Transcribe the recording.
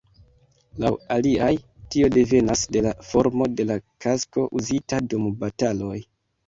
Laŭ aliaj, tio devenas de la formo de la kasko uzita dum bataloj.